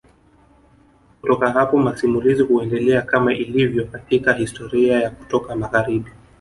Kutoka hapo masimulizi huendelea kama ilivyo katika historia ya kutoka magharibi